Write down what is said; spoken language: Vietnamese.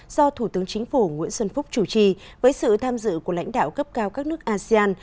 do thủ tướng chính phủ nguyễn xuân phúc chủ trì với sự tham dự của lãnh đạo cấp cao các nước asean